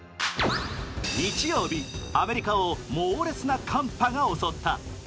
日曜日、アメリカを猛烈な寒波が襲った。